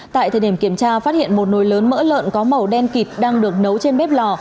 tại thời điểm kiểm tra phát hiện một nồi lớn mỡ lợn có màu đen kịp đang được nấu trên bếp lò